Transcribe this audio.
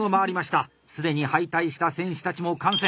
既に敗退した選手たちも観戦！